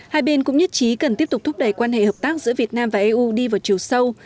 hai bên cũng nhất trí cần tiếp tục thúc đẩy quan hệ hợp tác giữa việt nam và eu đi vào chiều sâu